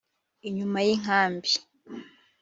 inyuma y’inkambi